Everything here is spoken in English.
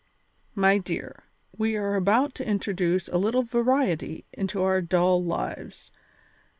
"My dear, we are about to introduce a little variety into our dull lives.